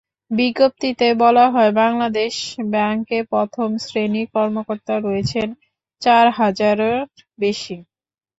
বিজ্ঞপ্তিতে বলা হয়, বাংলাদেশ ব্যাংকে প্রথম শ্রেণির কর্মকর্তা রয়েছেন চার হাজারের বেশি।